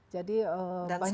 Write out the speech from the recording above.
jadi banyak sekali